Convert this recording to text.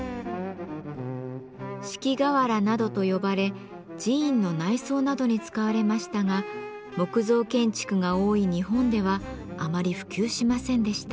敷瓦などと呼ばれ寺院の内装などに使われましたが木造建築が多い日本ではあまり普及しませんでした。